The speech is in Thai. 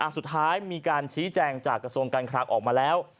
สุดท้ายมีการชี้แจงจากกระทรวงการคลังออกมาแล้ว